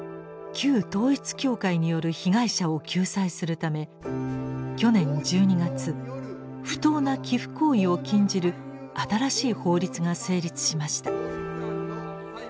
旧統一教会による被害者を救済するため去年１２月不当な寄附行為を禁じる新しい法律が成立しました。